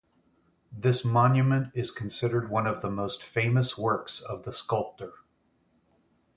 This monument is considered one of the most famous works of the sculptor.